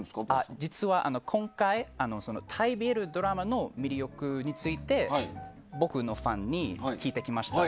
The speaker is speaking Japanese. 実は、今回タイＢＬドラマの魅力について僕のファンに聞いてきました。